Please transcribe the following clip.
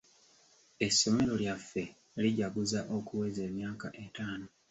Essomero lyaffe lijaguza okuweza emyaka etaano.